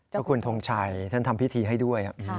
เจ้าคุณทงชัยท่านทำพิธีให้ด้วย